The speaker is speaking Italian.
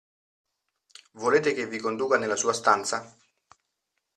Volete che vi conduca nella sua stanza?